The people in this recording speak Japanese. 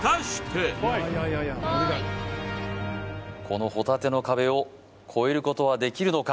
このほたての壁をこえることはできるのか？